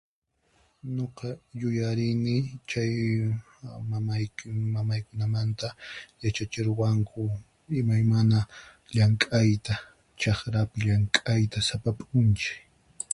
Nuqa yuyarini, chay mamay mamaykunamanta yachachiruwanku imaymana llank'ayta chaqrapi llank'ayta sapa p'unchay.